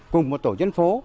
cùng một tổ dân phố